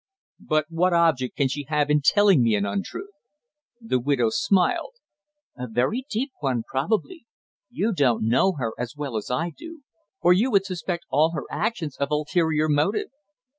"But what object can she have in telling me an untruth?" The widow smiled. "A very deep one, probably. You don't know her as well as I do, or you would suspect all her actions of ulterior motive."